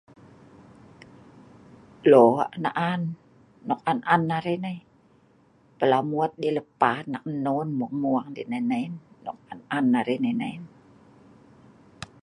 Lok naan nok on on arei nei plamut yeh lepan eek non mung mung deh hnei nei nok an an arei nei